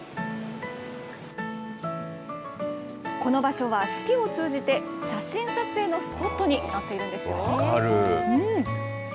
この場所は四季を通じて、写真撮影のスポットになっているんですよ。